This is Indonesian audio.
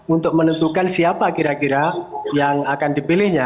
untuk menentukan siapa kira kira yang akan dipilihnya